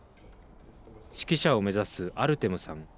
指揮者を目指すアルテムさん。